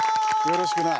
よろしくな。